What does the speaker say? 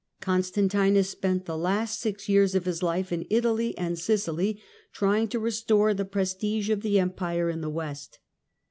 Constantinus spent the last six years of his life in Italy and Sicily, trying to restore the prestige of the Empire in the West.